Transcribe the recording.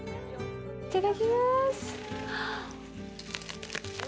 いただきます。